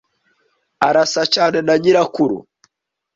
Arasa cyane na nyirakuru.